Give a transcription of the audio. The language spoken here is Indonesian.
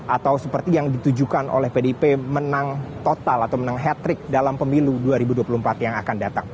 atau seperti yang ditujukan oleh pdip menang total atau menang hat trick dalam pemilu dua ribu dua puluh empat yang akan datang